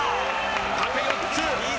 縦４つ。